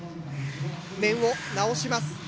面を直します。